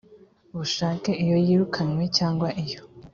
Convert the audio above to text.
bushake iyo yirukanywe cyangwa iyo